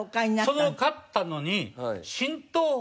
その買ったのに。